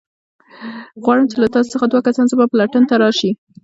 غواړم چې له تاسو څخه دوه کسان زما پلټن ته راشئ.